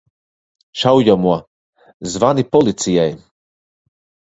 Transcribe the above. Šaujamo! Zvani policijai!